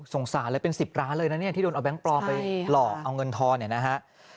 สงสารเลยเป็น๑๐ล้านเลยนะเนี่ยที่โดนเอาแก๊งปลอมไปหลอกเอาเงินทอนเนี่ยนะฮะ